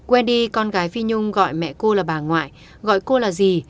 wendy con gái phi nhung gọi mẹ cô là bà ngoại gọi cô là dì